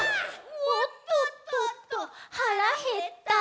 「おっとっとっと腹減った」